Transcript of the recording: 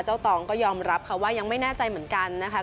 ตองก็ยอมรับค่ะว่ายังไม่แน่ใจเหมือนกันนะคะ